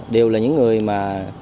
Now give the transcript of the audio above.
đều là những người mà